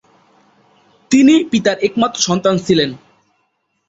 তিনি পিতার একমাত্র সন্তান ছিলেন।